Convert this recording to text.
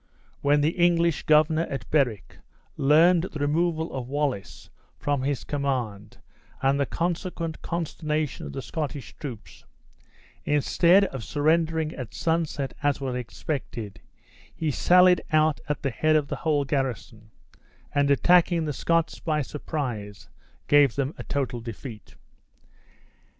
When the English governor at Berwick learned the removal of Wallace from his command and the consequent consternation of the Scottish troops, instead of surrendering at sunset as was expected, he sallied out at the head of the whole garrison, and attacking the Scots by surprise, gave them a total defeat.